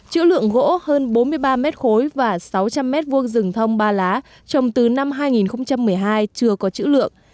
chữ lượng gỗ hơn bốn mươi ba m ba và sáu trăm linh m hai rừng thông ba lá trồng từ năm hai nghìn một mươi hai chưa có chữ lượng